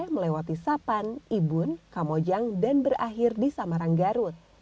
melewati sapan ibun kamojang dan berakhir di samarang garut